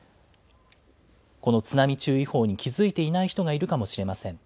この津波注意報に気付いていない人がいるかもしれません。